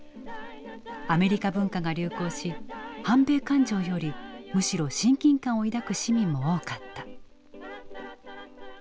アメリカ文化が流行し反米感情よりむしろ親近感を抱く市民も多かった。